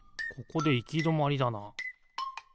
ここでいきどまりだな。